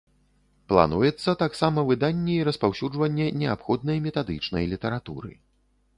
Плануецца таксама выданне і распаўсюджванне неабходнай метадычнай літаратуры.